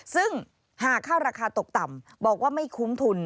ซึ่งหากข้าวราคาตกต่ำบอกว่าไม่คุ้มทุน